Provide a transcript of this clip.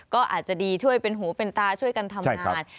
ก็อาจจะดีช่วยเป็นหูเป็นตาช่วยกันทำงาน